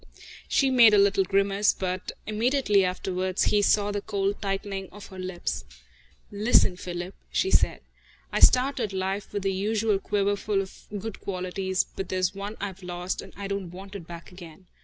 She made a little grimace, but immediately afterwards he saw the cold tightening of her lips. "Listen, Philip," she said. "I started life with the usual quiverful of good qualities, but there's one I've lost, and I don't want it back again.